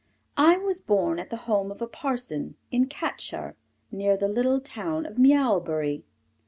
I was born at the home of a parson in Catshire, near the little town of Miaulbury.